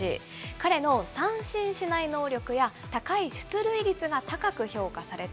彼の三振しない能力や高い出塁率が高く評価された。